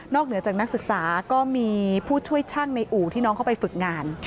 เหนือจากนักศึกษาก็มีผู้ช่วยช่างในอู่ที่น้องเข้าไปฝึกงาน